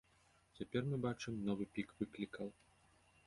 Цяпер мы бачым новы пік выклікаў.